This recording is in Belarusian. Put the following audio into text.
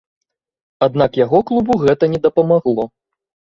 Аднак яго клубу гэта не дапамагло.